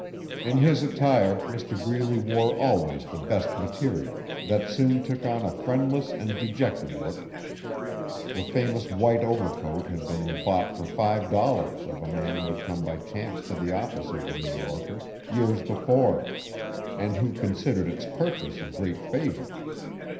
In his attire Mr Greeley wore always the best material, that soon took on a friendless and dejected look. The famous white overcoat had been bought for five dollars of a man who had come by chance to the office of the New Yorker, years before, and who considered its purchase a great favour.